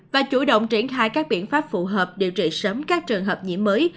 và chủ động triển khai các biện pháp phù hợp điều trị sớm các trường hợp nhiễm mới